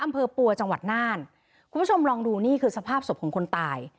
อำเภอปัวจังหวัดน่านคุณผู้ชมลองดูนี่คือสภาพศพของคนตาย